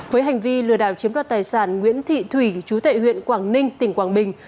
với hành vi lừa đảo chiếm đoạt tài sản nguyễn thị thủy chú tệ huyện quảng ninh tỉnh quảng bình